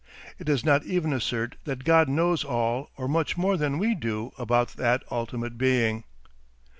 It does not even assert that God knows all or much more than we do about that ultimate Being.